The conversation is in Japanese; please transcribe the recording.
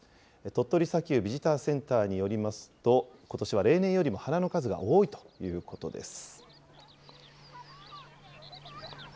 鳥取砂丘ビジターセンターによりますと、ことしは例年よりも花の数が多いということです。